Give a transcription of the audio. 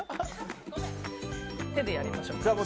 手でやりましょう。